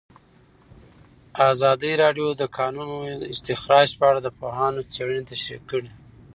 ازادي راډیو د د کانونو استخراج په اړه د پوهانو څېړنې تشریح کړې.